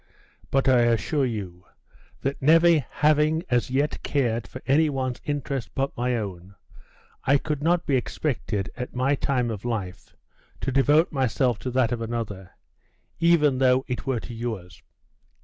But I assure you, that never having as yet cared for any one's interest but my own, I could not be expected, at my time of life, to devote myself to that of another, even though it were to yours.